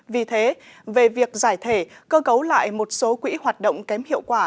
vì thế về việc giải thể cơ cấu lại một số quỹ hoạt động kém hiệu quả